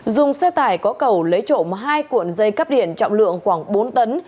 dùng xe tải có cầu lấy trộm hai cuộn dây cắp điện trọng lượng khoảng bốn tấn